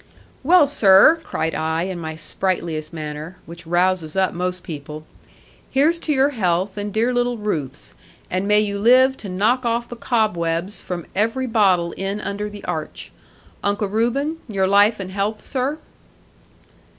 'Well, sir,' cried I, in my sprightliest manner, which rouses up most people, 'here's to your health and dear little Ruth's: and may you live to knock off the cobwebs from every bottle in under the arch. Uncle Reuben, your life and health, sir?'